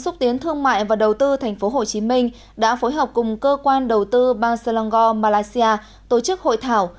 công mại và đầu tư tp hcm đã phối hợp cùng cơ quan đầu tư bang selangor malaysia tổ chức hội thảo